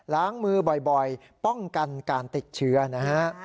ล้างมือบ่อยป้องกันการติดเชื้อนะฮะ